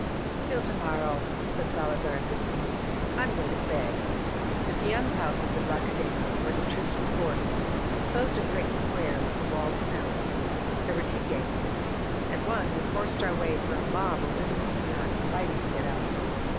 "Till to morrow," said Salazar at this point, "I'm going to bed!" The peons' houses at La Cadena, where the troops were quartered, enclosed a great square, like a walled town. There were two gates. At one we forced our way through a mob of women and peons fighting to get out.